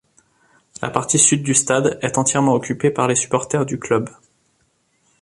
La partie Sud du stade est entièrement occupée par les supporters du club.